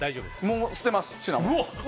もう捨てます、シナモン。